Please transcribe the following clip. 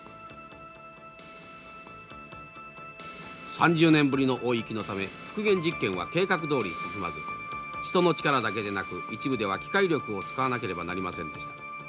３０年ぶりの大雪のため復元実験は計画どおり進まず人の力だけでなく一部では機械力を使わなければなりませんでした。